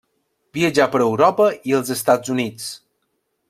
Viatjà per Europa i els Estats Units.